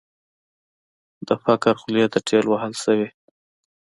د فقر خولې ته ټېل وهل شوې.